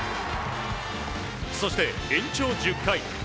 そして、延長１０回。